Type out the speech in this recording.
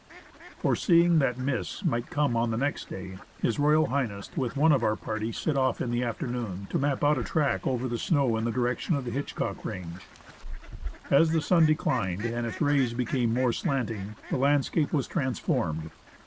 Foreseeing that mists might come on the next day, THE MALASPINA GLACIER H.R.H., with one of our party, set off in tlie afternoon, to map out a track over the snow in the direction of the Hitchcock range. As the sun declined, and its rays became more slanting, the landscape was transformed.